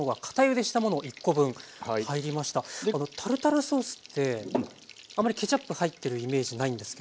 このタルタルソースってあまりケチャップ入ってるイメージないんですけど。